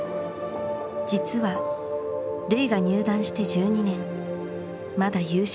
実は瑠唯が入団して１２年まだ優勝したことはない。